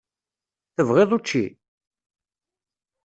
Tebɣiḍ učči?